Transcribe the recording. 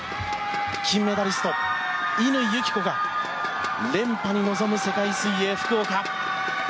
金メダリスト、乾友紀子が連覇に臨む世界水泳福岡。